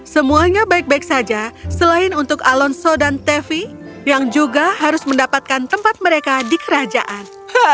semuanya baik baik saja selain untuk alonso dan tevi yang juga harus mendapatkan tempat mereka di kerajaan